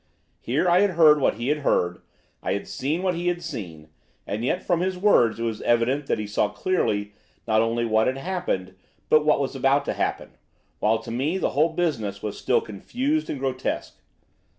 Here I had heard what he had heard, I had seen what he had seen, and yet from his words it was evident that he saw clearly not only what had happened but what was about to happen, while to me the whole business was still confused and grotesque.